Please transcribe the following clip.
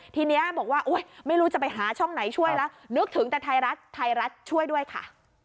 ทีนี้บอกว่าไม่รู้จะไปหาช่องไหนช่วยแล้วนึกถึงแต่ไทยรัฐไทยรัฐช่วยด้วยค่ะ